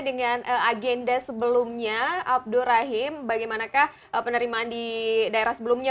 dengan agenda sebelumnya abdur rahim bagaimanakah penerimaan di daerah sebelumnya